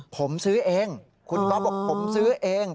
ผมซื้อเองคุณก๊อฟบอกผมซื้อเอง